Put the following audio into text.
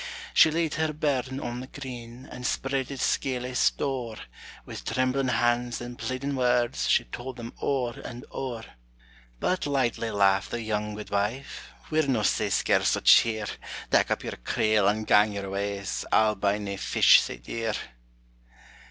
She laid her burden on the green, And spread its scaly store; With trembling hands and pleading words, She told them o'er and o'er. But lightly laughed the young guidwife, "We're no sae scarce o' cheer; Tak' up your creel, and gang your ways, I'll buy nae fish sae dear."